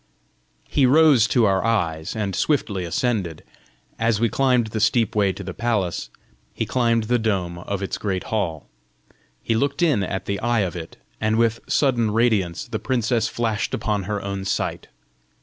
He rose to our eyes, and swiftly ascended. As we climbed the steep way to the palace, he climbed the dome of its great hall. He looked in at the eye of it and with sudden radiance the princess flashed upon her own sight.